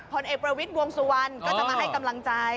ผลเอกประวิทย์วงสุวรรณก็จะมาให้กำลังใจ